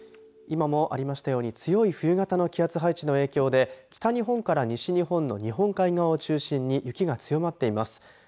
今もありましたように強い冬型の気圧配置の影響で北日本から西日本の日本海側を中心に雪が強まっています。